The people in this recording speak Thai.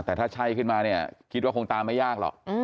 แต่ถ้าใช่ขึ้นมาเนี่ยคิดว่าคงตามไม่ยากหรอก